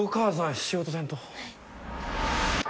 はい。